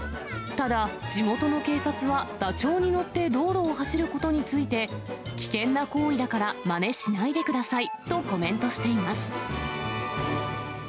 ただ、地元の警察は、ダチョウに乗って道路を走ることについて、危険な行為だからまねしないでくださいとコメントしています。